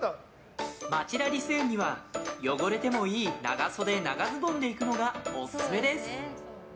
町田リス園には、汚れてもいい長袖、長ズボンで行くのがオススメです。